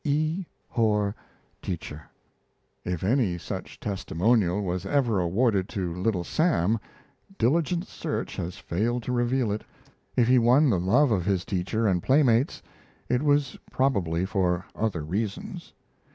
E. Horr, Teacher. If any such testimonial was ever awarded to Little Sam, diligent search has failed to reveal it. If he won the love of his teacher and playmates it was probably for other reasons.